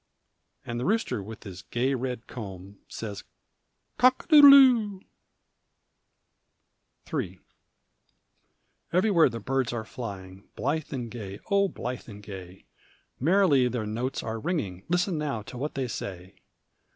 And the rooster, with the gay red comb, Says "Cock a doodle doo!" III Everywhere the birds are flying, Blithe and gay, oh! blithe and gay. Merrily their notes are ringing, Listen now to what they say.